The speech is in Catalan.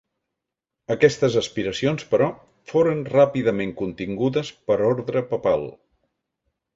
Aquestes aspiracions, però, foren ràpidament contingudes per ordre papal.